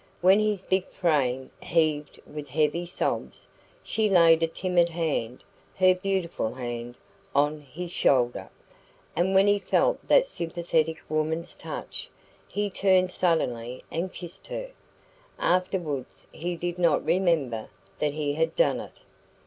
When his big frame heaved with heavy sobs, she laid a timid hand her beautiful hand on his shoulder; and when he felt that sympathetic woman's touch, he turned suddenly and kissed her. Afterwards he did not remember that he had done it.